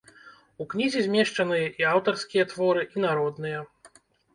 У кнізе змешчаныя і аўтарскія творы, і народныя.